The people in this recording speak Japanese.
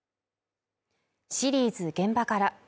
シリーズ「現場から」